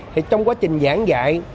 thì trong quá trình giảng dạy